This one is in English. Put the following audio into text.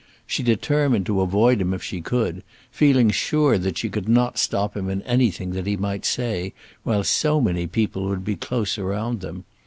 She determined to avoid him if she could, feeling sure that she could not stop him in anything that he might say, while so many people would be close around them.